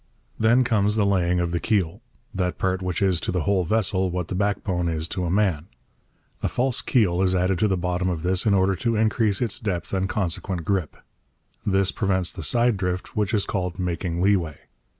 Then comes the laying of the keel, that part which is to the whole vessel what the backbone is to a man. A false keel is added to the bottom of this in order to increase its depth and consequent grip. This prevents the side drift which is called making leeway.